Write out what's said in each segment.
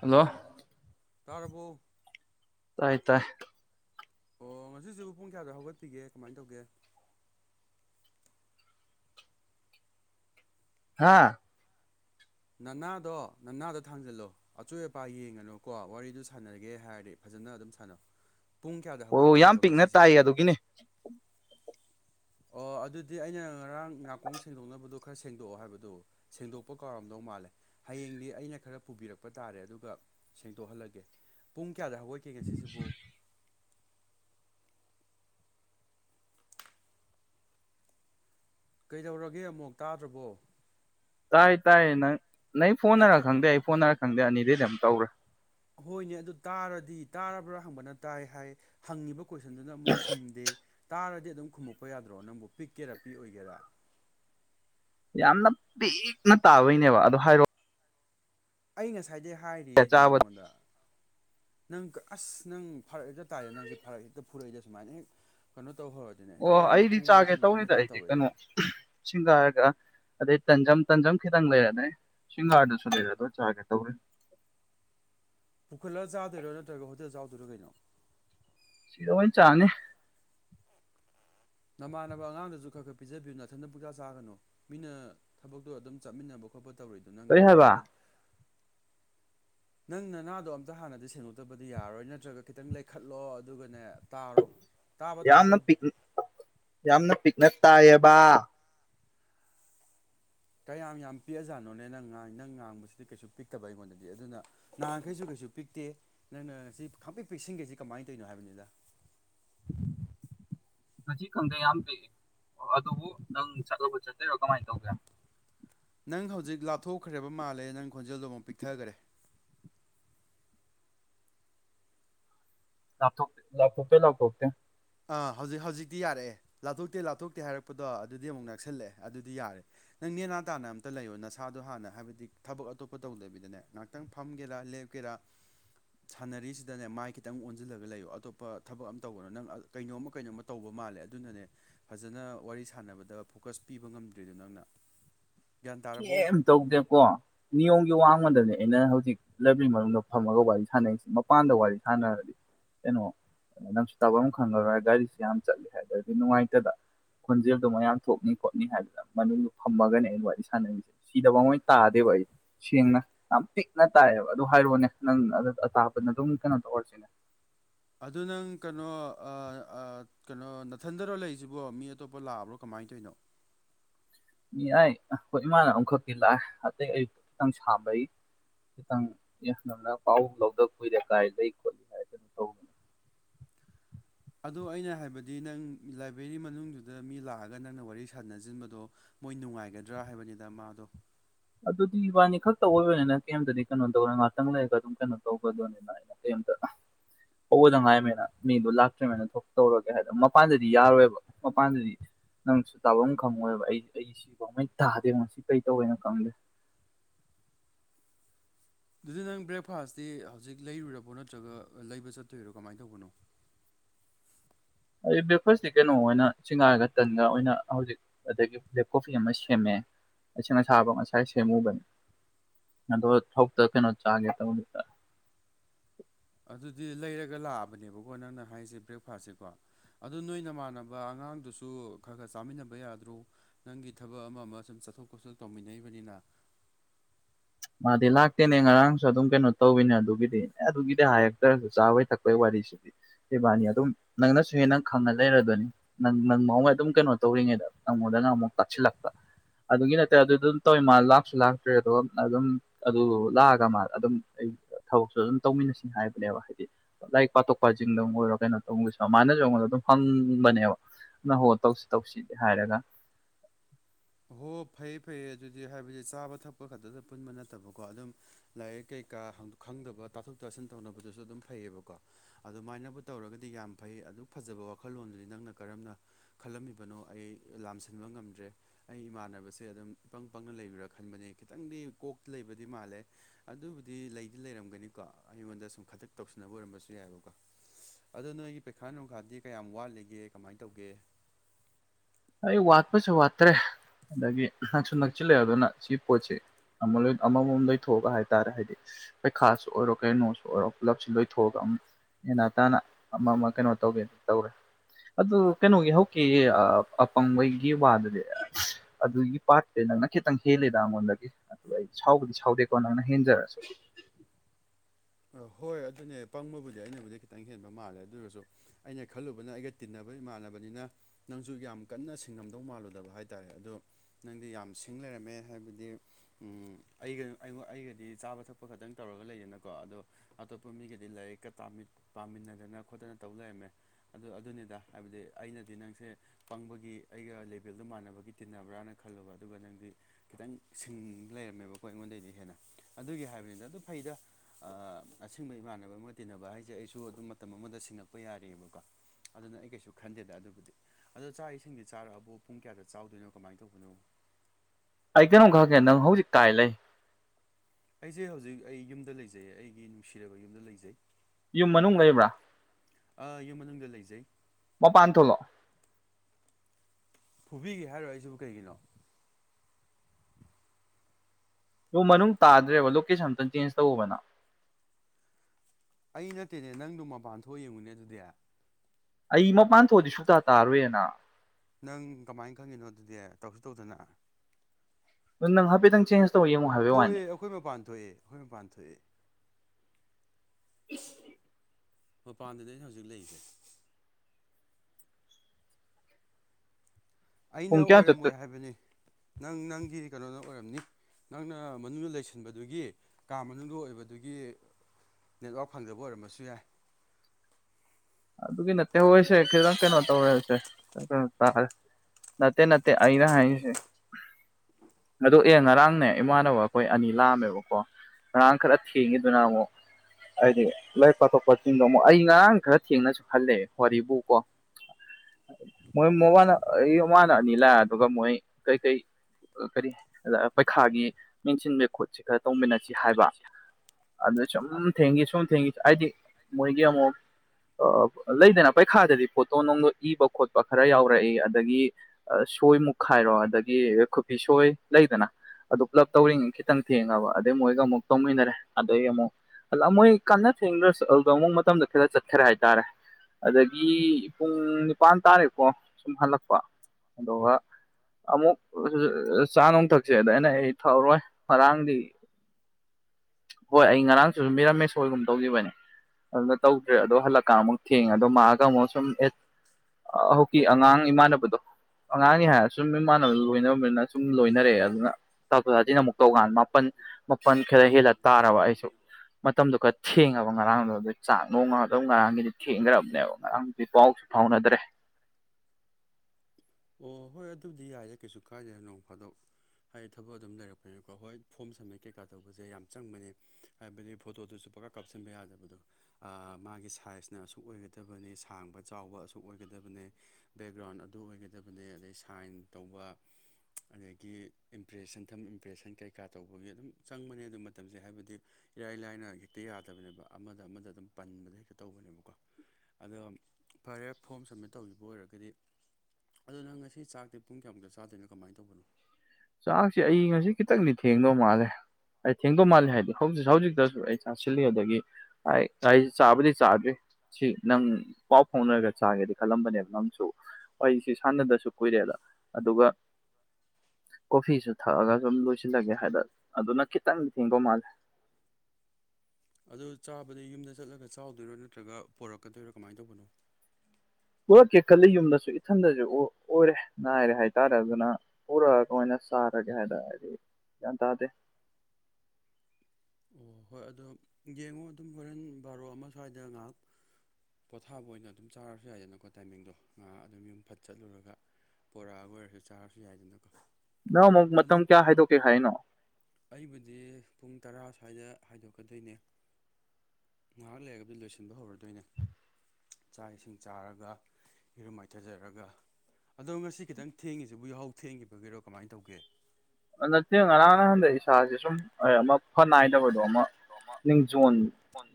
hello ꯇꯥꯔꯕꯣ ꯇꯥꯏ ꯇꯥꯏ ꯑꯣ ꯉꯁꯤꯁꯤꯕꯨ ꯄꯨꯡ ꯀꯌꯥꯗ ꯍꯧꯒꯠꯄꯤꯒꯦ ꯀꯃꯥꯏꯅ ꯇꯧꯒꯦ ꯍꯥꯥ ꯅꯅꯥꯗꯣ ꯅꯅꯥꯗꯣ ꯊꯥꯡꯖꯜꯂꯣ ꯑꯆꯣꯏ ꯑꯄꯥ ꯌꯦꯡꯉꯅꯨꯀꯣ ꯋꯥꯔꯤꯗꯨ ꯁꯥꯟꯅꯔꯒꯦ ꯍꯥꯏꯔꯗꯤ ꯐꯖꯅ ꯑꯗꯨꯝ ꯁꯥꯟꯅꯧ ꯄꯨꯡ ꯀꯌꯥꯗ ꯍꯧꯒꯠꯀꯦ ꯍꯥꯏꯕ ꯉꯁꯤꯁꯦ ꯇꯨ ꯀꯤꯅꯦ ꯑꯣ ꯑꯗꯨꯗꯤ ꯑꯩꯅ ꯉꯔꯥꯡ ꯅꯥꯀꯣꯡ ꯁꯦꯡꯗꯣꯛꯅꯕꯗꯣ ꯈꯔ ꯁꯦꯡꯗꯣꯛꯑꯣ ꯍꯥꯏꯕꯗꯣ ꯁꯦꯡꯗꯣꯛꯄ ꯀꯥꯎꯔꯝꯗꯧ ꯃꯥꯜꯂꯦ ꯍꯌꯦꯡꯗꯤ ꯑꯩꯅ ꯈꯔ ꯄꯨꯕꯤꯔꯛꯄ ꯇꯥꯔꯦ ꯑꯗꯨꯒ ꯁꯦꯡꯗꯣꯛꯍꯜꯂꯒꯦ ꯄꯨꯡ ꯀꯌꯥꯗ ꯍꯧꯒꯠꯀꯦ ꯉꯁꯤꯁꯤꯕꯨ ꯀꯩꯗꯧꯔꯒꯦ ꯑꯃꯨꯛ ꯇꯥꯗ꯭ꯔꯕꯣ ꯇꯥꯏ ꯇꯥꯏ ꯅꯪ ꯅꯪ ꯐꯣꯟꯅꯔ ꯈꯪꯗꯦ ꯑꯩ ꯐꯣꯟꯅꯔ ꯈꯪꯗꯦ ꯑꯅꯤꯗꯤ ꯌꯥꯝ ꯇꯧꯔꯦ ꯍꯣꯏꯅꯦ ꯑꯗꯨ ꯇꯥꯔꯗꯤ ꯇꯥꯔꯕ꯭ꯔ ꯍꯪꯕꯅ ꯇꯥꯏ ꯍꯥꯏ ꯍꯪꯉꯤꯕ ꯀꯣꯏꯁꯟꯗꯨꯅ ꯑꯃꯨꯛ ꯈꯨꯝꯗꯦ ꯇꯥꯔꯗꯤ ꯑꯗꯨꯝ ꯈꯨꯝꯃꯛꯄ ꯌꯥꯗ꯭ꯔꯣ ꯅꯪꯕꯨ ꯄꯤꯛꯀꯦꯔꯥ ꯄꯤꯛꯑꯣꯏꯒꯦꯔꯥ ꯌꯥꯝꯅ ꯄꯤꯛꯅ ꯇꯥꯕꯩꯅꯦꯕ ꯑꯗꯣ ꯍꯥꯏꯔꯣ ꯑꯩ ꯉꯁꯥꯏꯗꯒꯤ ꯍꯥꯏꯔꯤꯌꯦ ꯑꯗꯨꯝ ꯆꯥꯕꯗ ꯅꯪꯉꯣꯟꯗ ꯅꯪ ꯑꯁ ꯅꯪ ꯐꯤꯔꯛ ꯍꯦꯛꯇ ꯇꯥꯏꯌꯦ ꯅꯪꯁꯦ ꯐꯥꯔꯛ ꯍꯦꯛꯇ ꯐꯨꯔꯛꯏꯗ ꯁꯨꯃꯥꯏꯅ ꯍꯦꯛ ꯀꯩꯅꯣ ꯇꯧ ꯍꯧꯔꯛꯑꯗꯤ ꯑꯣ ꯑꯩꯗꯤ ꯆꯥꯒꯦ ꯇꯧꯔꯤꯗ ꯑꯩꯗꯤ ꯀꯩꯅꯣ ꯁꯤꯡꯍꯔꯥꯒꯥ ꯑꯗꯩ ꯇꯟꯖꯝ ꯇꯟꯖꯝ ꯈꯤꯇꯪ ꯂꯩꯔꯝꯃꯦ ꯁꯤꯡꯍꯔꯥꯗꯨꯁꯨ ꯂꯩꯔꯒ ꯆꯥꯒꯦ ꯇꯧꯔꯤ ꯄꯨꯈꯠꯂꯒ ꯆꯥꯗꯣꯏꯔꯥ ꯅꯠꯇ꯭ꯔꯒ ꯍꯣꯇꯦꯜ ꯆꯥꯎꯗꯣꯏꯔꯣ ꯀꯩꯅꯣ ꯁꯤꯗꯑꯣꯏ ꯆꯥꯅꯤ ꯅꯃꯥꯟꯅꯕ ꯑꯉꯥꯡꯗꯁꯨ ꯈꯔ ꯈꯔ ꯄꯤꯖꯕꯤꯌꯨ ꯅꯥꯊꯟꯇ ꯄꯨꯨꯡꯆꯥꯥ ꯆꯥꯒꯅꯨ ꯃꯤꯅ ꯊꯕꯛꯇꯣ ꯑꯗꯨꯝ ꯆꯠꯃꯤꯟꯅꯕ ꯈꯣꯠꯄ ꯇꯧꯔꯤꯗꯣ ꯅꯪ ꯀꯔꯤ ꯍꯥꯏꯕ ꯊꯕꯛ [inaudible] ꯅꯪ ꯅꯅꯥꯗꯣ ꯑꯃꯇ ꯍꯥꯟꯅꯗꯤ ꯁꯦꯡꯗꯣꯛꯇꯕꯗꯤ ꯌꯥꯔꯔꯣꯏ ꯅꯠꯇ꯭ꯔꯒ ꯈꯤꯇꯪ ꯂꯩꯈꯠꯂꯣ ꯑꯗꯨꯒꯅꯦ ꯇꯥꯔꯣ ꯇꯥꯕ ꯌꯥꯝꯅ ꯇꯥꯗ꯭ꯔꯣ ꯄꯤꯛ ꯌꯥꯝꯅ ꯄꯤꯛꯅ ꯇꯥꯏꯌꯦꯕ ꯀꯌꯥꯝ ꯌꯥꯝ ꯄꯤꯛꯑꯖꯥꯠꯅꯣꯅꯦ ꯅꯪ ꯉꯥꯡ ꯅꯪ ꯉꯥꯡꯕꯁꯤꯗꯤ ꯀꯩꯁꯨ ꯄꯤꯛꯇꯕ ꯑꯩꯉꯣꯟꯗꯗꯤ ꯑꯗꯨꯅ ꯅꯍꯥꯟꯈꯩꯁꯨ ꯀꯩꯁꯨ ꯄꯤꯛꯇꯦ ꯅꯪꯅ ꯉꯁꯤ ꯈꯪꯄꯤꯛ ꯄꯤꯛꯁꯤꯟꯒꯩꯁꯤ ꯀꯃꯥꯏꯟ ꯇꯧꯔꯤꯅꯣ ꯍꯥꯏꯕꯅꯤꯗ [inaudible] [unintelligible] ꯑꯗꯨꯕꯨ ꯅꯪ ꯆꯠꯂꯕ꯭ꯔ ꯆꯠꯇꯣꯏꯔꯣ ꯀꯃꯥꯏꯟ ꯇꯧꯒꯦ ꯅꯪ ꯍꯧꯖꯤꯛ ꯂꯥꯞꯊꯣꯛꯈ꯭ꯔꯦꯕ ꯃꯥꯜꯂꯦ ꯅꯪ ꯈꯣꯟꯖꯦꯜꯗꯣ ꯑꯃꯨꯛ ꯄꯤꯛꯊꯈ꯭ꯔꯦ ꯂꯥꯛꯊꯣꯛ ꯂꯥꯞꯊꯣꯛꯇꯦ ꯂꯥꯞꯈꯣꯛꯇꯦ ꯑꯥ ꯍꯧꯖꯤꯛ ꯍꯧꯖꯤꯛꯇꯤ ꯌꯥꯔꯛꯑꯦ ꯂꯥꯞꯊꯣꯛꯇꯦ ꯂꯥꯞꯊꯣꯛꯇꯦ ꯍꯥꯏꯔꯛꯄꯗꯣ ꯑꯗꯨꯗꯤ ꯑꯃꯨꯛ ꯅꯛꯁꯜꯂꯛꯑꯦ ꯑꯗꯨꯗꯤ ꯌꯥꯔꯦ ꯅꯪ ꯅꯦꯅꯥ ꯇꯥꯅ ꯑꯝꯇ ꯂꯩꯌꯣ ꯅꯁꯥꯗꯣ ꯍꯥꯟꯅ ꯍꯥꯏꯕꯗꯤ ꯊꯕꯛ ꯑꯇꯣꯞꯄ ꯇꯧꯗꯕꯤꯗꯅꯦ ꯉꯥꯛꯇ ꯇꯪ ꯐꯝꯒꯦꯔꯥ ꯂꯦꯞꯀꯦꯔꯥ ꯁꯥꯟꯅꯔꯤꯁꯤꯗꯅꯦ ꯃꯥꯏ ꯈꯤꯇꯪ ꯑꯣꯟꯁꯤꯜꯂꯒ ꯂꯩꯌꯣ ꯑꯇꯣꯞꯄ ꯊꯕꯛ ꯑꯃ ꯇꯧꯕꯅꯣ ꯅꯪ ꯑꯥ ꯀꯩꯅꯣꯝꯃ ꯀꯩꯅꯣꯝꯃ ꯇꯧꯕ ꯃꯥꯜꯂꯦ ꯑꯗꯨꯅꯅꯦ ꯐꯖꯅ ꯋꯥꯔꯤ ꯁꯥꯟꯅꯕꯗ ꯐꯣꯀꯁ ꯄꯤꯕ ꯉꯝꯗ꯭ꯔꯤꯗꯣ ꯅꯪꯅ ꯒ꯭ꯌꯥꯟ ꯇꯥꯔꯕꯣ ꯀꯩꯝ ꯇꯧꯗꯦꯀꯣ ꯅꯤꯌꯣꯝꯒꯤ ꯋꯥꯡꯃꯗꯅꯦ ꯑꯩꯅ ꯍꯧꯖꯤꯛ ꯂꯥꯏꯕꯤ ꯃꯅꯨꯡꯗ ꯐꯝꯃꯒ ꯋꯥꯔꯤ ꯁꯥꯟꯅꯔꯤꯁꯤ ꯃꯄꯥꯟꯗ ꯋꯥꯔꯤ ꯁꯥꯟꯅꯔꯗꯤ ꯀꯩꯅꯣ ꯅꯪꯁꯨ ꯊꯥꯕꯝ ꯈꯪꯉꯔꯣꯏ ꯒꯥꯔꯤꯁꯨ ꯌꯥꯝ ꯆꯠꯂꯤ [unintelligible] ꯅꯨꯡꯉꯥꯏꯇꯗ ꯈꯣꯟꯖꯦꯜꯗꯣ ꯃꯌꯥꯝ ꯊꯣꯛꯅꯤ ꯈꯣꯠꯅꯤ ꯍꯥꯏꯕꯗ ꯃꯅꯨꯡꯗ ꯐꯝꯃꯒꯅꯦ ꯑꯩꯅ ꯋꯥꯔꯤ ꯁꯥꯅꯩꯁꯤ ꯁꯤꯗꯕꯥꯎꯃꯩ ꯇꯥꯗꯦꯕ ꯑꯩ ꯁꯦꯡꯅ ꯌꯥꯝ ꯄꯤꯛꯅ ꯇꯥꯏꯑꯕ ꯑꯗꯨ ꯍꯥꯏꯔꯣꯑꯣꯅꯦ ꯅꯪ ꯑꯇꯥꯥꯕꯅ ꯑꯗꯨꯝ ꯀꯩꯅꯣ ꯇꯧꯔꯁꯤꯅꯦ ꯑꯗꯨ ꯅꯪ ꯀꯩꯅꯣ ꯑꯥ ꯑꯥ ꯀꯩꯅꯣ ꯅꯊꯟꯗꯔꯣ ꯂꯩꯁꯤꯕꯣ ꯃꯤ ꯑꯇꯣꯞꯄ ꯂꯥꯛꯑꯕ꯭ꯔꯣ ꯀꯃꯥꯏꯅ ꯇꯧꯔꯤꯅꯣ ꯃꯤ ꯑꯥꯏ ꯑꯩꯈꯣꯏ ꯏꯃꯥꯅ ꯑꯃꯈꯛꯛꯇꯤ ꯂꯥꯛꯑꯦ ꯑꯇꯩ ꯑꯩ ꯈꯤꯇꯪ ꯁꯥꯝꯕꯛꯏ ꯈꯤꯇꯪ [unintelligible] ꯄꯥꯎ ꯂꯧꯗ ꯀꯨꯏꯔꯦ ꯀꯥꯏ ꯂꯩ ꯈꯣꯠꯂꯤ [unintelligible] ꯑꯗꯣ ꯑꯩꯅ ꯍꯥꯏꯕꯗꯤ ꯅꯪ ꯂꯥꯏꯕ꯭ꯔꯦꯔꯤ ꯃꯅꯨꯡꯗꯨꯗ ꯃꯤ ꯂꯥꯛꯑꯒ ꯅꯪꯅ ꯋꯥꯔꯤ ꯁꯥꯟꯅꯁꯤꯟꯕꯗꯣ ꯃꯣꯏ ꯅꯨꯡꯉꯥꯏꯒꯗ꯭ꯔꯥ ꯍꯥꯏꯕꯅꯤꯗ ꯃꯥꯗꯣ ꯑꯗꯨꯗꯤ ꯏꯕꯥꯅꯤ ꯈꯛꯇ ꯑꯣꯏꯕꯅꯤꯅ ꯀꯩꯝꯇꯗꯤ ꯀꯩꯅꯣ ꯇꯧꯔ ꯉꯍꯥꯛꯇꯪ ꯂꯩꯔꯒ ꯑꯗꯨꯝ ꯀꯩꯅꯣ ꯇꯧꯒꯗ꯭ꯔꯅꯤꯗ [unintelligible] ꯀꯩꯝꯇ ꯍꯧꯕꯗ ꯉꯥꯏꯔꯤꯃꯦꯅ ꯃꯤꯗꯣ ꯂꯥꯛꯇ꯭ꯔꯤꯃꯅ ꯊꯣꯛ ꯇꯧꯔꯒꯦ ꯍꯥꯏꯗꯣ ꯃꯄꯥꯟꯗꯗꯤ ꯌꯥꯔꯣꯏꯕ ꯃꯄꯥꯥꯟꯗꯗꯤ ꯅꯪꯁꯨ ꯇꯥꯐꯝ ꯈꯪꯉꯣꯏꯕ ꯑꯩ ꯑꯩ ꯁꯤꯐꯥꯎꯃꯩ ꯇꯥꯗꯦ ꯉꯁꯤ ꯀꯩ ꯇꯧꯕꯩꯅꯣ ꯈꯪꯗꯦ ꯑꯗꯨꯗꯤ ꯅꯪ ꯕ꯭ꯔꯦꯛ ꯐꯥꯁꯇꯤ ꯍꯧꯖꯤꯛ ꯂꯩꯔꯨꯔꯕꯣ ꯅꯠꯇ꯭ꯔꯒ ꯂꯩꯕ ꯆꯠꯇꯣꯏꯔꯣ ꯀꯃꯥꯏꯅ ꯇꯧꯕꯅꯣ ꯑꯩ ꯕ꯭ꯔꯦꯛ ꯐꯥꯁꯇꯤ ꯀꯩꯅꯣ ꯑꯣꯏꯅ ꯁꯤꯡꯉꯥꯔꯒ ꯇꯟꯒ ꯑꯣꯏꯅ ꯍꯧꯖꯤꯛ ꯑꯗꯒꯤ ꯕ꯭ꯂꯦꯛ ꯀꯣꯐꯤ ꯑꯃ ꯁꯦꯝꯃꯦ ꯏꯁꯤꯡ ꯑꯁꯥꯕ ꯉꯁꯥꯏ ꯁꯦꯝꯃꯨꯕꯅꯤ ꯑꯗꯣꯒ ꯍꯧꯇ ꯀꯩꯅꯣ ꯆꯥꯒꯦ ꯇꯧꯕꯗꯨꯗ ꯑꯗꯨꯗꯤ ꯂꯩꯔꯒ ꯂꯥꯛꯑꯕꯅꯦꯕꯀꯣ ꯅꯪꯅ ꯍꯥꯏꯁꯦ ꯕ꯭ꯔꯦꯛ ꯐꯥꯁꯁꯦꯀꯣ ꯑꯗꯨ ꯅꯣꯏ ꯅꯃꯥꯟꯅꯕ ꯑꯉꯥꯡꯗꯨꯁꯨ ꯈꯔ ꯈꯔ ꯆꯥꯃꯤꯟꯅꯕ ꯌꯥꯗ꯭ꯔꯣ ꯅꯪꯒꯤ ꯊꯕꯛ ꯑꯃ ꯑꯃ ꯁꯨꯝ ꯆꯠꯊꯣꯛ ꯆꯣꯠꯁꯤꯟ ꯇꯧꯃꯤꯟꯅꯔꯤꯕꯅꯤꯅ ꯃꯥꯗꯤ ꯂꯥꯛꯇꯦꯅꯦ ꯉꯔꯥꯡꯁꯨ ꯑꯗꯨꯝ ꯀꯩꯅꯣ ꯇꯧꯋꯤꯅꯦ ꯑꯗꯨꯒꯤꯗꯤ ꯑꯦ ꯑꯗꯨꯒꯤꯗꯤ ꯍꯥꯏꯔꯛꯇ꯭ꯔꯁꯨ ꯆꯥꯕꯩ ꯊꯛꯄꯩ ꯋꯥꯔꯤꯁꯤꯗꯤ ꯏꯕꯥꯅꯤ ꯑꯗꯨꯝ ꯅꯪꯅꯁꯨ ꯍꯦꯟꯅꯪ ꯈꯪꯉ ꯂꯩꯔꯗꯣꯏꯅꯤ ꯅꯪ ꯅꯪ ꯕꯥꯎꯃꯩ ꯑꯗꯨꯝ ꯀꯩꯅꯣ ꯇꯧꯔꯤꯉꯩꯗ ꯅꯪꯉꯣꯟꯗꯅ ꯑꯃꯨꯛ ꯇꯥꯁꯤꯜꯂꯛꯇ ꯑꯗꯨꯒꯤ ꯅꯠꯇꯦ ꯑꯗꯨ ꯑꯗꯨꯝ ꯇꯧꯋꯤ ꯃꯥ ꯂꯥꯛꯁꯨ ꯂꯥꯛꯇ꯭ꯔꯦ ꯑꯗꯨꯒ ꯑꯗꯨꯝ ꯑꯗꯨ ꯂꯥꯛꯑꯒ ꯃꯥ ꯑꯗꯨꯝ ꯑꯩ ꯊꯕꯛꯁꯨ ꯑꯗꯨꯝ ꯇꯧꯃꯤꯟꯅꯁꯤ ꯍꯥꯏꯕꯅꯦꯕ ꯍꯥꯏꯗꯤ ꯂꯥꯏꯔꯤꯛ ꯄꯥꯊꯣꯛ ꯄꯥꯁꯤꯡꯗꯪ ꯑꯣꯏꯔꯣ ꯀꯩꯅꯣ ꯇꯧꯕꯒꯤꯁꯨ ꯃꯥꯅꯁꯨ ꯑꯩꯉꯣꯟꯗ ꯑꯗꯨꯝ ꯍꯩꯕꯅꯦꯕ ꯅꯪꯍꯣ ꯇꯧꯁꯤ ꯇꯧꯁꯤꯗꯤ ꯍꯥꯏꯔꯒ ꯍꯣ ꯐꯩ ꯐꯩꯌꯦ ꯑꯗꯨꯗꯤ ꯍꯥꯏꯕꯗꯤ ꯆꯥꯕ ꯊꯛꯄ ꯈꯛꯇꯗ ꯄꯨꯟꯕ ꯅꯠꯇꯕꯀꯣ ꯑꯗꯨꯝ ꯂꯥꯏꯔꯤꯛ ꯀꯩꯀꯥ ꯍꯪ ꯈꯪꯗꯕ ꯇꯥꯊꯣꯛ ꯇꯥꯁꯤꯟ ꯇꯧꯅꯕꯗꯨꯁꯨ ꯑꯗꯨꯝ ꯐꯩꯌꯦꯕꯀꯣ ꯑꯗꯨꯃꯥꯏꯅꯕꯨ ꯇꯧꯔꯒꯗꯤ ꯌꯥꯝ ꯐꯩ ꯑꯗꯨ ꯐꯖꯕ ꯋꯥꯈꯜꯂꯣꯟꯗꯨꯗꯤ ꯅꯪꯅ ꯀꯔꯝꯅ ꯈꯜꯂꯝꯃꯤꯕꯅꯣ ꯑꯩ ꯂꯥꯝꯁꯤꯟꯕ ꯉꯝꯗ꯭ꯔꯦ ꯑꯩ ꯏꯃꯥꯟꯅꯕꯁꯦ ꯑꯗꯨꯝ ꯏꯄꯪ ꯄꯪꯅ ꯂꯩꯕꯤꯨꯔꯥ ꯈꯟꯕꯅꯦ ꯈꯤꯇꯪꯗꯤ ꯀꯣꯛꯇ ꯂꯩꯕꯗꯤ ꯃꯥꯜꯂꯦ ꯑꯗꯨꯕꯨꯗꯤ ꯂꯩꯗꯤ ꯂꯩꯔꯝꯒꯅꯤꯀꯣ ꯑꯩꯉꯣꯟꯗ ꯁꯨꯝ ꯈꯇꯛ ꯇꯧꯁꯤꯟꯅꯕ ꯑꯣꯏꯔꯝꯕꯁꯨ ꯌꯥꯏꯕꯀꯣ ꯑꯗꯣ ꯅꯣꯏꯒꯤ ꯄꯩꯈꯥ ꯅꯨꯡꯈꯥꯗꯤ ꯀꯌꯥꯝ ꯋꯥꯠꯂꯤꯒꯦ ꯀꯃꯥꯏꯅ ꯇꯧꯒꯦ ꯑꯩ ꯋꯥꯠꯄꯁꯨ ꯋꯥꯠꯇ꯭ꯔꯦ ꯑꯗꯒꯤ ꯅꯛꯁꯨ ꯅꯛꯆꯤꯜꯂꯛꯑꯦ ꯑꯗꯨꯅ ꯁꯤ ꯄꯣꯠꯁꯤ ꯑꯃꯣꯏ ꯑꯃꯃꯝꯗꯣꯏ ꯊꯣꯛꯑꯒ ꯍꯥꯏꯇꯥꯔꯦ ꯍꯥꯏꯗꯤ ꯄꯩꯈꯥꯁꯨ ꯑꯣꯏꯔꯣ ꯀꯩꯅꯣꯁꯨ ꯑꯣꯏꯔꯣ ꯄꯨꯂꯞꯁꯤ ꯂꯣꯏ ꯊꯣꯛꯑꯒ ꯑꯃꯨꯛ ꯑꯦꯅꯥ ꯇꯥꯅ ꯑꯃ ꯑꯃ ꯀꯩꯅꯣ ꯇꯧꯒꯦ ꯇꯧꯔꯦ ꯑꯗꯨ ꯀꯩꯅꯣꯒꯤ ꯍꯧꯀꯤ ꯑꯄꯪꯕꯩꯒꯤ ꯋꯥꯗꯨꯗꯤ ꯑꯗꯨꯒꯤ ꯄꯥꯠ ꯅꯪꯅ ꯈꯤꯇꯪ ꯍꯦꯜꯂꯤꯦꯗ ꯑꯩꯉꯣꯟꯗꯒꯤ ꯑꯗꯨꯣ ꯑꯩ ꯁꯥꯎꯕꯗꯤ ꯁꯥꯎꯗꯦꯀꯣ ꯅꯪꯅ ꯍꯦꯟꯖꯔꯁꯨ ꯍꯣꯏ ꯑꯗꯨꯅꯦ ꯄꯪꯕꯕꯨꯗꯤ ꯑꯩꯅꯕꯨꯗꯤ ꯈꯤꯇꯪ ꯍꯦꯟꯕ ꯃꯥꯜꯂꯦ ꯑꯗꯨꯔꯁꯨ ꯑꯩꯅ ꯈꯜꯂꯨꯕꯅ ꯑꯩꯒ ꯇꯤꯟꯅꯕ ꯏꯃꯥꯟꯅꯕꯅꯤꯅ ꯅꯪꯁꯨ ꯌꯥꯝ ꯀꯟꯅ ꯁꯤꯡꯉꯝꯗꯧ ꯃꯥꯜꯂꯨꯗꯕ ꯍꯥꯏ ꯇꯥꯔꯦ ꯑꯗꯣ ꯅꯪꯗꯤ ꯌꯥꯝ ꯁꯤꯡ ꯂꯩꯔꯝꯃꯦ ꯍꯥꯏꯕꯗꯤ ꯎꯝ ꯑꯩꯒ ꯑꯩꯒꯗꯤ ꯆꯥꯕ ꯊꯛꯄ ꯈꯛꯇꯪ ꯇꯧꯔꯒ ꯂꯩꯌꯦꯅ ꯀꯣ ꯑꯗꯣ ꯑꯇꯣꯞꯄ ꯃꯤꯒꯗꯤ ꯂꯥꯏꯔꯤꯛꯀ ꯄꯥꯃꯤꯟꯅꯗꯅ ꯈꯣꯠꯇꯅ ꯇꯧ ꯂꯩꯔꯝꯃꯦ ꯑꯗꯨ ꯑꯗꯨꯅꯤꯗ ꯍꯥꯏꯕꯗꯤ ꯑꯩꯅꯗꯤ ꯅꯪꯁꯦ ꯄꯪꯕꯒꯤ ꯑꯩꯒ ꯂꯦꯕꯦꯜꯗꯨ ꯃꯥꯟꯅꯕꯒꯤ ꯇꯤꯟꯅꯕ꯭ꯔꯥꯅ ꯈꯜꯂꯨꯕ ꯑꯗꯨꯒ ꯅꯪꯗꯤ ꯈꯤꯇꯪ ꯁꯤꯡ ꯂꯩꯔꯝꯃꯦꯕꯀꯣ ꯑꯩꯉꯣꯟꯗꯩꯗꯤ ꯍꯦꯟꯅ ꯑꯗꯨꯒꯤ ꯍꯥꯏꯕꯅꯤꯅ ꯑꯗꯨ ꯐꯩꯗ ꯑꯁꯕ ꯏꯃꯥꯟꯅꯕ ꯑꯃ ꯇꯤꯟꯅꯕ ꯍꯥꯏꯁꯦ ꯑꯩꯁꯨ ꯑꯗꯨꯝ ꯃꯇꯝ ꯑꯃꯗ ꯁꯤꯡꯉꯛꯄ ꯌꯥꯔꯤꯑꯕꯀꯣ ꯑꯗꯨꯅ ꯑꯩ ꯀꯩꯁꯨ ꯈꯟꯗꯦꯗ ꯑꯗꯨꯕꯨꯗꯤ ꯑꯗꯣ ꯆꯥꯛ ꯏꯁꯤꯡꯗꯤ ꯆꯥꯔꯛꯑꯕꯣ ꯄꯨꯡ ꯀꯌꯥꯗ ꯆꯥꯎꯗꯣꯏꯅꯣ ꯀꯃꯥꯏꯅ ꯇꯧꯕꯅꯣ ꯑꯩ ꯀꯩꯅꯣꯝ ꯈꯛꯒꯦ ꯅꯪ ꯍꯧꯖꯤꯛ ꯀꯥꯏ ꯂꯩ ꯑꯩꯁꯦ ꯍꯧꯖꯤꯛ ꯑꯩ ꯌꯨꯝꯗ ꯂꯩꯖꯩ ꯑꯩꯒꯤ ꯅꯨꯡꯁꯤꯔꯕ ꯌꯨꯝꯗ ꯂꯩꯖꯩ ꯌꯨꯝ ꯃꯅꯨꯡ ꯂꯩꯕ꯭ꯔꯥ ꯑ ꯌꯨꯝ ꯃꯅꯨꯡꯗ ꯂꯩꯖꯩ ꯃꯄꯥꯟ ꯊꯣꯛꯂꯛꯑꯣ ꯐꯨꯕꯤꯒꯦ ꯍꯥꯏꯔꯣ ꯑꯩꯁꯤꯕꯨ ꯀꯩꯒꯤꯅꯣ ꯅ ꯃꯅꯨꯡ ꯇꯥꯗ꯭ꯔꯦꯕ ꯂꯣꯀꯦꯁꯟ ꯑꯝꯇꯪ ꯆꯦꯟꯖ ꯇꯧꯑꯣꯕꯅꯪ ꯑꯩ ꯅꯠꯇꯦꯅꯦ ꯅꯪꯗꯨꯝ ꯃꯄꯥꯟ ꯊꯣꯛꯑ ꯌꯦꯡꯉꯨꯅꯦ ꯑꯗꯨꯗꯤ ꯑꯩ ꯃꯄꯥꯟ ꯊꯣꯛꯑꯗꯤ ꯁꯨꯡꯇꯥ ꯇꯥꯔꯣꯏꯅꯪ ꯅꯪ ꯀꯃꯥꯏꯅ ꯈꯪꯉꯤꯅꯣ ꯑꯗꯨꯗꯤ ꯇꯧꯁꯨ ꯇꯧꯗꯅ ꯑꯗꯨ ꯅꯪ ꯍꯥꯏꯐꯦꯠꯇꯪ ꯆꯦꯟꯖ ꯇꯧꯧꯕ ꯌꯦꯡꯉꯣ ꯍꯥꯏꯕꯒꯤ ꯋꯥꯅꯤ ꯊꯣꯛꯑꯦ ꯑꯩꯈꯣꯏ ꯃꯄꯥꯟ ꯊꯣꯛꯑꯦ ꯑꯩꯈꯣꯏ ꯃꯄꯥꯟ ꯊꯣꯛꯑꯦ [inaudible] ꯃꯄꯥꯟꯗꯅꯦ ꯑꯩꯅ ꯍꯧꯖꯤꯛ ꯂꯩꯁꯦ ꯑꯩꯅ ꯄꯨꯡ ꯀꯌꯥ ꯆꯠꯇꯣꯏ ꯑꯣꯏꯔꯝꯃꯣꯏ ꯍꯥꯏꯕꯅꯤ ꯅꯪ ꯅꯪꯒꯤ ꯀꯩꯅꯣꯅ ꯑꯣꯏꯔꯝꯅꯤ ꯅꯪꯅ ꯃꯅꯨꯡꯗ ꯂꯩꯁꯤꯟꯕꯗꯨꯒꯤ ꯀꯥ ꯃꯅꯨꯡꯗ ꯑꯣꯏꯕꯗꯨꯒꯤ ꯅꯦꯠꯋꯥꯛ ꯐꯪꯗꯕ ꯑꯣꯏꯔꯝꯃꯁꯨ ꯌꯥꯏ ꯑꯗꯨꯒꯤ ꯅꯠꯇꯦ ꯍꯣꯏꯁꯦ ꯈꯤꯇꯪ ꯀꯩꯅꯣ ꯇꯧꯔꯦ ꯍꯧꯁꯦꯅꯣ ꯇꯥ ꯅꯠꯇ ꯅꯠꯇ ꯑꯅ ꯍꯥꯏꯁ ꯑꯗꯨ ꯑꯦ ꯉꯔꯥꯡꯅꯦ ꯏꯃꯥꯟꯅꯕ ꯑꯩꯈꯣꯏ ꯑꯅꯤ ꯂꯥꯛꯑꯝꯃꯦꯕꯀꯣ ꯉꯔꯥꯡ ꯈꯔ ꯊꯦꯡꯉꯤꯗꯨꯅ ꯑꯃꯨꯛ ꯍꯥꯏꯗꯤ ꯂꯥꯏꯔꯤꯛ ꯄꯥꯊꯣꯛ ꯄꯥꯁꯤꯡꯗꯣ ꯑꯃꯨꯛ ꯑꯩ ꯉꯔꯥꯡ ꯈꯔ ꯊꯦꯡꯅꯁꯨ ꯈꯜꯂꯦ ꯋꯥꯔꯤꯕꯨ ꯀꯣ ꯃꯣꯏ ꯃꯕꯥꯅ ꯑꯩ ꯃꯃꯥꯅ ꯑꯅꯤ ꯂꯥꯛꯑ ꯑꯗꯨꯒ ꯃꯣꯏ ꯀꯩꯀꯩ ꯀꯔꯤ ꯄꯩꯈꯥꯒꯤ ꯃꯦꯟꯁꯤꯟꯕ ꯈꯣꯠꯁꯤ ꯈꯔ ꯇꯧꯃꯤꯟꯅꯁꯤ ꯍꯥꯏꯕ ꯑꯗꯨꯗ ꯁꯨꯝ ꯊꯦꯡꯈꯤ ꯁꯨꯝ ꯊꯦꯡꯈꯤ ꯍꯥꯏꯗꯤ ꯃꯣꯏꯒꯤ ꯑꯃꯨꯛ ꯑ ꯂꯩꯗꯦꯅ ꯄꯩꯈꯥꯗꯗꯤ ꯐꯣꯇꯣ ꯅꯨꯡꯗꯣ ꯏꯕ ꯈꯣꯠꯄ ꯈꯔ ꯌꯥꯎꯔꯛꯏ ꯑꯗꯒꯤ ꯑ ꯁꯣꯏ ꯃꯨꯛ ꯈꯥꯏꯔꯣ ꯑꯗꯒꯤ ꯈꯨꯕꯤ ꯁꯣꯏ ꯂꯩꯗꯅ ꯑꯗꯨ ꯄꯨꯂꯞ ꯇꯧꯔꯤꯉꯩ ꯈꯤꯇꯪ ꯊꯦꯡꯉꯕ ꯑꯗꯩ ꯃꯣꯏꯒ ꯑꯃꯨꯛ ꯇꯧꯃꯤꯟꯅꯔꯦ ꯑꯗꯩ ꯑꯃꯨꯛ ꯍꯜꯂ ꯃꯣꯏ ꯀꯥꯟꯅ ꯊꯦꯡꯅꯔꯁꯨ ꯑꯗꯨꯒ ꯑꯃꯨꯛ ꯃꯇꯝꯗ ꯈ꯭ꯔ ꯆꯠꯈꯔꯦ ꯍꯥꯏ ꯇꯥꯔꯦ ꯑꯗꯒꯤ ꯄꯨꯡ ꯅꯤꯄꯥꯟ ꯇꯥꯔꯦꯀꯣ ꯁꯨꯝ ꯍꯜꯂꯛꯄ ꯑꯗꯣꯋꯥ ꯑꯃꯨꯛ ꯑ ꯆꯥ ꯅꯨꯡ ꯊꯛꯁꯦꯅꯥ ꯑꯩꯅ ꯑꯩ ꯊꯛꯑꯔꯣꯏ ꯉꯔꯥꯡꯗꯤ ꯍꯣꯏ ꯑꯩ ꯉꯔꯥꯡꯁꯨꯝꯕꯤꯔꯝꯃꯦꯁꯣꯏꯒꯨꯝ ꯇꯧꯖꯤꯕꯅꯦ ꯑꯗꯨꯅ ꯇꯧꯗ꯭ꯔꯦ ꯑꯗꯣ ꯍꯜꯂꯛꯀꯥꯟ ꯑꯃꯨꯛ ꯊꯦꯡꯉ ꯑꯗꯣ ꯃꯥꯒ ꯑꯃꯨꯛ ꯁꯨꯝ ꯑꯦꯁ ꯑ ꯍꯧꯖꯤꯀꯤ ꯑꯉꯥꯡ ꯏꯃꯥꯟꯅꯕꯗꯣ ꯑꯉꯥꯡꯅꯤ ꯍꯥꯏꯔ ꯁꯨꯝ ꯏꯃꯥꯟꯅꯕ ꯂꯣꯏꯅꯕꯅꯤꯅ ꯁꯨꯝ ꯂꯣꯏꯅꯔꯛꯑꯦ ꯑꯗꯨꯅ ꯇꯥꯀꯣꯂꯥꯖꯤꯥꯅ ꯑꯃꯨꯛ ꯇꯧꯀꯥꯟ ꯃꯥꯄꯜ ꯃꯥꯄꯜ ꯈꯔ ꯍꯦꯜꯂ ꯇꯥꯔꯕ ꯑꯩꯁꯨ ꯃꯇꯝꯗꯣ ꯈꯔ ꯊꯦꯡꯉꯕ ꯉꯔꯥꯡꯗꯣ ꯑꯗꯨꯏ ꯆꯥꯛ ꯅꯣꯡꯉꯥꯗꯕ ꯉꯥꯏꯔꯅꯤ ꯑꯗꯩ ꯊꯦꯡꯈ꯭ꯔꯕꯅꯦꯕ ꯉꯔꯥꯡ ꯏ ꯄꯥꯎꯁꯨ ꯐꯥꯎꯅꯗ꯭ꯔꯦ ꯑꯣ ꯍꯣꯏ ꯑꯗꯨꯕꯨꯗꯤ ꯌꯥꯏꯌꯦ ꯀꯩꯁꯨ ꯀꯥꯏꯗꯦ ꯅꯣꯡ ꯐꯥꯗꯣꯛ ꯍꯥꯏꯗꯤ ꯊꯕꯛ ꯑꯗꯨꯝ ꯂꯩꯔꯛꯄꯅꯤꯀꯣ ꯍꯣꯏ ꯐꯣꯝ ꯁꯃꯤꯠ ꯀꯩꯀꯥ ꯇꯧꯕꯁꯦ ꯌꯥꯝ ꯆꯪꯕꯅꯦ ꯍꯥꯏꯕꯗꯤ ꯐꯣꯇꯣꯗꯨꯁꯨ ꯄꯪꯀꯥꯞ ꯀꯥꯞꯁꯤꯟꯕ ꯌꯥꯗꯕꯗꯣ ꯑꯥ ꯃꯥꯒꯤ ꯁꯥꯏꯖꯅ ꯑꯁꯨꯛ ꯑꯣꯏꯒꯗꯕꯅꯤ ꯁꯥꯡꯕ ꯆꯥꯎꯕ ꯑꯁꯨꯛ ꯑꯣꯏꯒꯗꯕꯅꯦ ꯕꯦꯛꯒ꯭ꯔꯥꯎꯟ ꯑꯗꯨ ꯑꯣꯏꯒꯗꯕꯅꯦ ꯑꯗꯩ ꯁꯥꯏꯟ ꯇꯧꯕ ꯑꯗꯒꯤ ꯏꯝꯄ꯭ꯔꯦꯁꯟ ꯊꯝ ꯏꯝꯄ꯭ꯔꯦꯁꯟ ꯀꯩꯀꯥ ꯇꯧꯕꯒꯤ ꯑꯗꯨꯝ ꯆꯪꯕꯅꯦ ꯑꯗꯨ ꯃꯇꯝꯁꯦ ꯍꯥꯏꯕꯗꯤ ꯏꯔꯥꯏ ꯂꯥꯏꯅ ꯍꯦꯛꯇ ꯌꯥꯗꯕꯅꯦꯕ ꯑꯃꯗ ꯑꯃꯗ ꯑꯗꯨꯝ ꯄꯟꯕꯗ ꯍꯦꯛꯇ ꯇꯧꯕꯅꯦꯕꯀꯣ ꯑꯗꯣ ꯐꯔꯦ ꯐꯣꯝ ꯁꯞꯃꯤꯠ ꯇꯧꯕꯤꯕ ꯑꯣꯏꯔꯒꯗꯤ ꯑꯗꯨ ꯅꯪ ꯉꯁꯤ ꯆꯥꯛꯇꯤ ꯄꯨꯡ ꯀꯌꯥꯃꯨꯛꯇ ꯆꯥꯗꯣꯏꯅꯣ ꯀꯃꯥꯏꯟ ꯇꯧꯕꯅꯣ ꯆꯥꯛꯁꯦ ꯑꯩ ꯉꯁꯤ ꯈꯤꯇꯪꯅꯤ ꯊꯦꯡꯗꯧ ꯃꯥꯜꯂꯦ ꯑꯩ ꯊꯦꯡꯗꯧ ꯃꯥꯜꯂꯦ ꯍꯥꯏꯗꯤ ꯍꯧꯖꯤꯛ ꯍꯧꯖꯤꯛꯇꯁꯨ ꯑꯩ ꯆꯥꯁꯤꯜꯂꯦ ꯑꯗꯒꯤ ꯑꯩ ꯒꯥꯑꯤ ꯆꯥꯕꯨꯗꯤ ꯆꯥꯗ꯭ꯔꯤ ꯁꯤ ꯅꯪ ꯄꯥꯎ ꯐꯥꯎꯅꯔꯒ ꯆꯥꯒꯦꯗꯤ ꯈꯜꯂꯝꯕꯅꯦꯕ ꯅꯪꯁꯨ ꯋꯥꯔꯤꯁꯦ ꯁꯥꯟꯅꯗꯁꯨ ꯀꯨꯏꯔꯦꯗ ꯑꯗꯨꯒ ꯀꯣꯐꯤꯁꯨ ꯊꯛꯑꯒ ꯁꯨꯝ ꯂꯣꯏꯁꯤꯜꯂꯒꯦ ꯍꯥꯏꯗ ꯑꯗꯨꯅ ꯈꯤꯇꯪꯗꯤ ꯊꯦꯡꯗꯧ ꯃꯥꯜꯂꯦ ꯑꯗꯨ ꯆꯥꯕꯗꯤ ꯌꯨꯝꯗ ꯆꯠꯂꯒ ꯆꯥꯎꯗꯣꯏꯔꯣ ꯅꯠꯇ꯭ꯔꯒ ꯄꯣꯔꯛꯀꯗꯣꯏꯔꯣ ꯀꯃꯥꯏ ꯇꯧꯕꯅꯣ ꯄꯨꯔꯛꯀꯦ ꯈꯜꯂꯤ ꯌꯨꯝꯗꯁꯨ ꯏꯊꯟꯗꯁꯨ ꯑꯣ ꯑꯣꯏꯔꯦ ꯉꯥꯏꯔꯦ ꯍꯥꯏꯇꯥꯔꯦ ꯑꯗꯨꯅ ꯄꯨꯔꯒ ꯑꯣꯏꯅ ꯆꯥꯔꯒꯦ ꯍꯥꯏꯅ ꯒ꯭ꯌꯥꯟ ꯇꯥꯗꯦ ꯑꯣ ꯍꯣꯏ ꯑꯗꯣ ꯌꯦꯡꯉꯣ ꯑꯗꯨꯝ ꯍꯣꯔꯦꯟ ꯕꯥꯔꯣ ꯑꯃ ꯁ꯭ꯋꯥꯏꯗ ꯉꯥꯍꯥꯛ ꯄꯣꯊꯥꯕ ꯑꯣꯏꯅ ꯑꯗꯨꯝ ꯆꯥꯔꯁꯨ ꯌꯥꯏꯗꯅꯀꯣ ꯇꯥꯏꯃꯤꯡꯗꯣ ꯉꯍꯥꯛ ꯑꯗꯨꯝ ꯌꯨꯝ ꯐꯠ ꯆꯠꯂꯨꯔꯒ ꯄꯣꯔꯛꯑꯒ ꯑꯣꯏꯔꯁꯨ ꯆꯥꯔꯁꯨ ꯌꯥꯏꯗꯅꯀꯣ ꯅꯪ ꯑꯃꯨꯛ ꯑꯗꯣ ꯃꯇꯝ ꯀ꯭ꯌꯥ ꯍꯥꯏꯗꯣꯛꯀꯦ ꯍꯥꯏꯅꯣ ꯑꯩꯕꯨꯗꯤ ꯄꯨꯡ ꯇꯔꯥ ꯁ꯭ꯋꯥꯏꯗ ꯍꯥꯏꯗꯣꯛꯀꯗꯣꯏꯅꯦ ꯉꯍꯥꯛ ꯂꯩꯔꯒꯕꯨꯗꯤ ꯂꯣꯏꯁꯤꯟꯕ ꯍꯧꯔꯗꯣꯏꯅꯦ ꯆꯥꯛ ꯏꯁꯤꯡ ꯆꯥꯔꯒ ꯏꯔꯨ ꯃꯥꯏꯊꯖꯔꯒ ꯑꯗꯣ ꯉꯁꯤ ꯈꯤꯇꯪ ꯊꯦꯡꯉꯤꯁꯤꯕꯨ ꯌꯥꯍꯧ ꯊꯦꯡꯈꯤꯕꯒꯤꯔꯣ ꯀꯃꯥꯏ ꯇꯧꯒꯦ ꯑ ꯅꯠꯇꯦ ꯉꯔꯥꯡ ꯅꯍꯥꯟꯗꯩ ꯏꯁꯥꯁꯦ ꯁꯨꯝ ꯑꯩ ꯑꯃ ꯐ ꯅꯥꯏꯗꯕꯗꯣ ꯑꯃ ꯅꯤꯡꯖꯣꯟ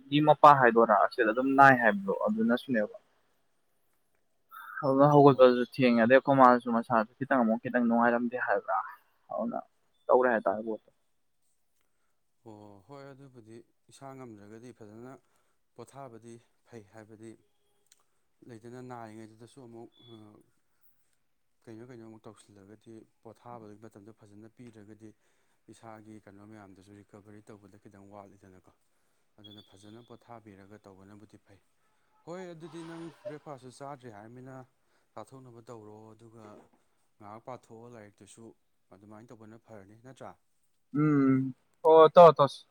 ꯒꯤ ꯃꯄꯥ ꯍꯥꯏꯗꯣꯔꯥ ꯑꯁꯤꯗ ꯑꯗꯨꯝ ꯅꯥꯏ ꯍꯥꯏꯕꯗꯣ ꯑꯗꯨꯅꯁꯨꯅꯦꯕ ꯑꯗꯨ ꯑꯣ ꯍꯧꯒꯠꯄꯁꯨ ꯊꯦꯡꯉꯦ ꯑꯗꯩ ꯑꯈꯣꯏ ꯃꯥꯁꯨ ꯃꯁꯥꯁꯨ ꯈꯤꯇꯪ ꯑꯃꯨꯛ ꯈꯤꯇꯪ ꯅꯨꯡꯉꯥꯏꯔꯝꯗꯦ ꯍꯥꯏꯕ꯭ꯔꯥ ꯑꯗꯨꯅ ꯇꯧꯔꯦ ꯍꯥꯏ ꯇꯥꯔꯦ ꯕꯣꯠꯇ ꯑꯣ ꯍꯣꯏ ꯑꯗꯨꯕꯨꯗꯤ ꯏꯁꯥ ꯉꯝꯗ꯭ꯔꯒꯗꯤ ꯐꯖꯅ ꯄꯣꯊꯥꯕꯗꯤ ꯐꯩ ꯍꯥꯏꯕꯗꯤ ꯂꯩꯗꯅ ꯅꯥꯔꯤꯉꯩꯗꯨꯗꯁꯨ ꯑꯃꯨꯛ ꯑꯥ ꯀꯩꯅꯣ ꯀꯩꯅꯣꯃꯨꯛ ꯇꯧꯁꯤꯜꯂꯒꯗꯤ ꯄꯣꯊꯥꯕꯒꯤ ꯃꯇꯝꯗꯣ ꯐꯖꯅ ꯄꯤꯗ꯭ꯔꯒꯗꯤ ꯏꯁꯥꯒꯤ ꯀꯩꯅꯣ ꯃꯌꯥꯝꯗꯨꯁꯨꯔꯤ ꯀꯕꯔꯤ ꯇꯧꯕꯗ ꯈꯤꯇꯪ ꯋꯥꯠꯂꯤꯗꯅꯀꯣ ꯑꯗꯨꯅ ꯐꯖꯅ ꯄꯣꯊꯥꯕꯤꯔꯒ ꯇꯧꯕꯅꯕꯨꯗꯤ ꯐꯩ ꯍꯣꯏ ꯑꯗꯨꯗꯤ ꯅꯪ ꯕ꯭ꯔꯦꯛꯐꯥꯁꯁꯨ ꯆꯥꯗ꯭ꯔꯤ ꯍꯥꯏꯔꯃꯤꯅ ꯆꯥꯊꯣꯛꯅꯕ ꯇꯧꯔꯣ ꯑꯗꯨꯒ ꯉꯥꯏꯍꯥꯛ ꯄꯥꯊꯣꯛꯑꯣ ꯂꯥꯏꯔꯤꯛꯇꯨꯁꯨ ꯑꯗꯨꯃꯥꯏꯅ ꯇꯧꯕꯅ ꯐꯔꯅꯤ ꯅꯠꯇ꯭ꯔꯥ ꯎꯝ ꯑꯣ ꯇꯣ ꯇꯣꯁ